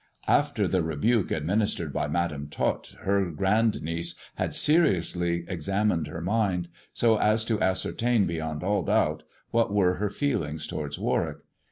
After the rebuke administered by Madam Tot, her great niece had seriously examined her mind, so as to ascertain beyond all doubt what were her feelings towards Warwick.